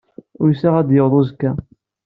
Uyseɣ ad d-yaweḍ uzekka.